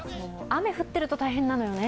雨、降ってると大変なのよね。